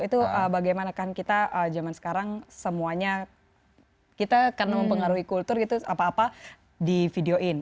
itu bagaimana kan kita zaman sekarang semuanya kita karena mempengaruhi kultur gitu apa apa di videoin